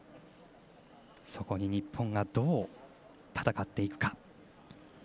そこに日本がどう戦っていくか。